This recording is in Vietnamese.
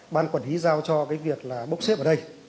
ban quân hí giao cho cái việc là bốc xếp ở đây